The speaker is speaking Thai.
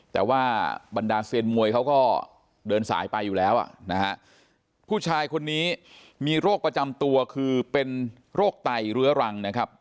แต่ว่าบรรดาเซียนมวยเขาก็เดินสายไปอยู่แล้วอ่ะนะฮะผู้ชายคนนี้มีโรคประจำตัวคือเป็นโรคไตเรื้อรังนะครับ